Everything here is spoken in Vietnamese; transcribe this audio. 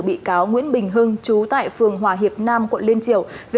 bị cáo nguyễn bình hưng chú tại phường hòa hiệp nam quận liên triều